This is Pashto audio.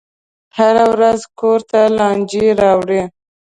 هره ورځ کور ته لانجې راوړي.